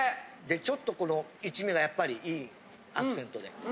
でちょっとこの一味がやっぱりいいアクセントで。